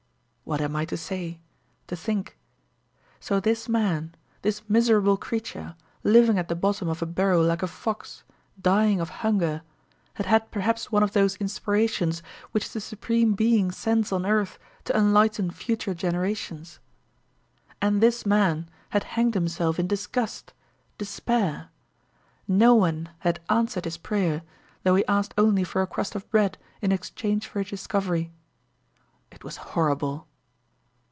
What am I to say? to think? So this man, this miserable creature, living at the bottom of a burrow like a fox, dying of hunger, had had perhaps one of those inspirations which the Supreme Being sends on earth to enlighten future generations! And this man had hanged himself in disgust, despair! No one had answered his prayer, though he asked only for a crust of bread in exchange for his discovery. It was horrible.